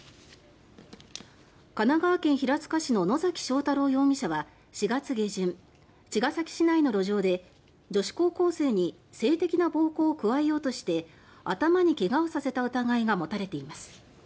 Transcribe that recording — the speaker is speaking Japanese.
神奈川県平塚市の野嵜彰太朗容疑者は４月下旬茅ヶ崎市内の路上で女子高校生に性的な暴行を加えようとして頭に怪我をさせた疑いが持たれています。